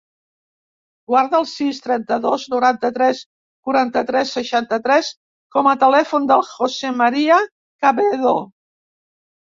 Guarda el sis, trenta-dos, noranta-tres, quaranta-tres, seixanta-tres com a telèfon del José maria Cabedo.